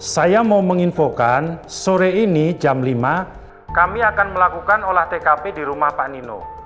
saya mau menginfokan sore ini jam lima kami akan melakukan olah tkp di rumah pak nino